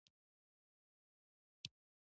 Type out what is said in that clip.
د ساختماني موادو بازار تود دی